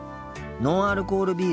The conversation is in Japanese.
ノンアルコールビール。